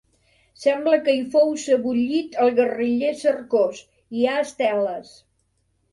Sembla que hi fou sebollit el guerriller Cercós, hi ha esteles.